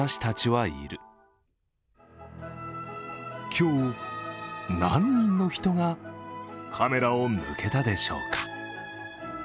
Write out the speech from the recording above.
今日、何人の人がカメラを向けたでしょうか。